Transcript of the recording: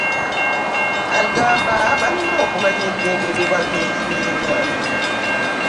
Agamba balina okumanya ebigendererwa by'ekibiina